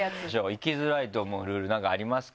生きづらいと思うルール何かありますか？